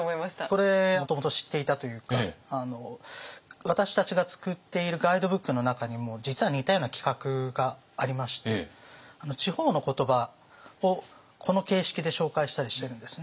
これもともと知っていたというか私たちが作っているガイドブックの中にも実は似たような企画がありまして地方の言葉をこの形式で紹介したりしてるんですね。